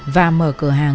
và mở cửa hàng